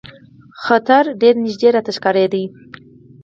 خطر ډېر نیژدې ښکارېدی.